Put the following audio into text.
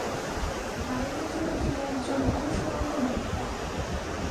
নারীদের জন্য তিনি একজন অনুসরণীয় ব্যক্তি।